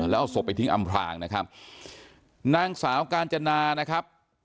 แล้วเอาศพไปทิ้งอำพลางนะครับนางสาวกาญจนานะครับ